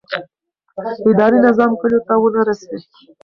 اداري نظام کلیو ته ونه رسېد.